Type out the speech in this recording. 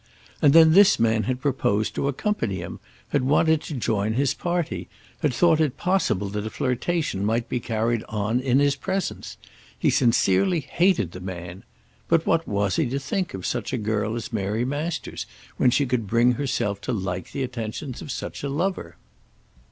And then this man had proposed to accompany him, had wanted to join his party, had thought it possible that a flirtation might be carried on in his presence! He sincerely hated the man. But what was he to think of such a girl as Mary Masters when she could bring herself to like the attentions of such a lover?